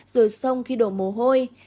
rồi xong khi đổ mồ hôi